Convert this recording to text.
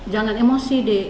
jangan emosi dik